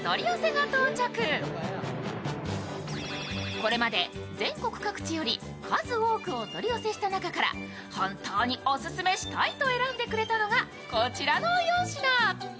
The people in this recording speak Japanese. これまで全国各地より数多くお取り寄せした中から本当にオススメしたいと選んでくれたのが、こちらの４品。